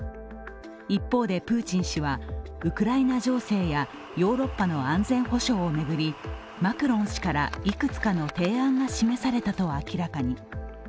一方でプーチン氏はウクライナ情勢やヨーロッパの安全保障を巡りマクロン氏からいくつかの提案が示されたと明らかに。